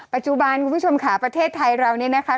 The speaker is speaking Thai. ปัจจุบันคุณผู้ชมขาประเทศไทยเรานี้นะคะ